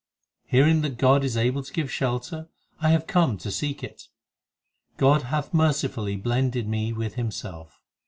270 THE SIKH RELIGION 4 Hearing that God is able to give shelter, I have come to seek it. God hath mercifully blended me with Himself.